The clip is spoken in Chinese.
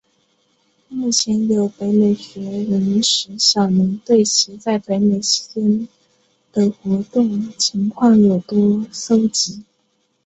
目前有北美学人石晓宁对其在北美期间的活动情况多有搜辑。